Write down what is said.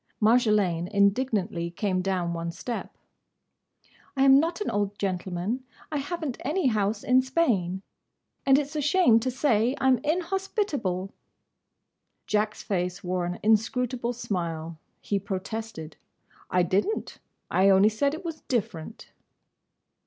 Marjolaine indignantly came down one step. "I am not an old gentleman; I haven't any house in Spain; and it's a shame to say I 'm inhospitable!" Jack's face wore an inscrutable smile. He protested. "I didn't. I only said it was different."